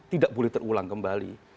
tidak boleh terulang kembali